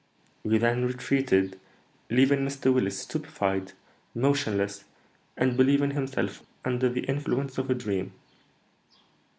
We then retreated, leaving Mr. Willis stupefied, motionless, and believing himself under the influence of a dream.